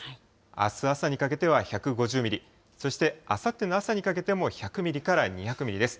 あす朝にかけては１５０ミリ、そしてあさっての朝にかけても１００ミリから２００ミリです。